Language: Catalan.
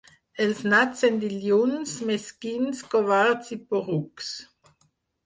Els nats en dilluns, mesquins, covards i porucs.